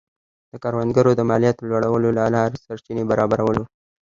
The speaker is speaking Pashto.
د کروندګرو د مالیاتو لوړولو له لارې سرچینې برابرول و.